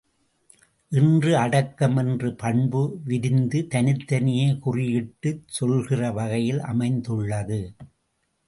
இன்று அடக்கம் என்ற பண்பு, விரிந்து தனித்தனியே குறியிட்டுச் சொல்கிற வகையில் அமைந்துள்ளது.